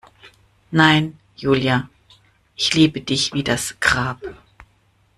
Nein, Julia, ich liebe dich wie das Grab.